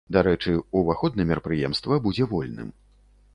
Дарэчы, ўваход на мерапрыемства будзе вольным.